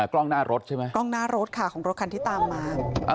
กล้องหน้ารถใช่ไหมกล้องหน้ารถค่ะของรถคันที่ตามมา